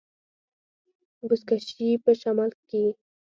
بزکشي په شمال کې کیږي